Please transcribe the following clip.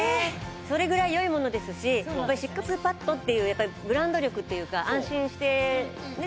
それぐらい良いものですしシックスパッドっていうブランド力っていうか安心してねっ？